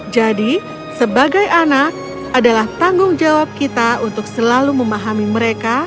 jadi sebagai anak adalah tanggung jawab kita untuk selalu memahami mereka